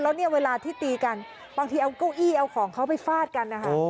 แล้วเนี่ยเวลาที่ตีกันบางทีเอาเก้าอี้เอาของเขาไปฟาดกันนะคะ